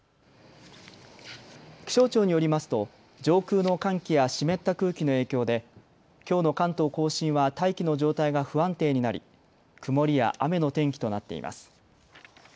気象庁によりますと上空の寒気や湿った空気の影響できょうの関東甲信は大気の状態が不安定になり曇りや雨の天気となっています。